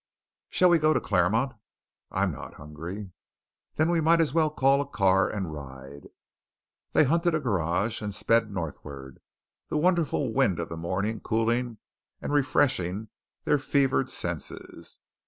"Shall we go to Claremont?" "I'm not hungry." "Then we might as well call a car and ride." They hunted a garage and sped northward, the wonderful wind of the morning cooling and refreshing their fevered senses.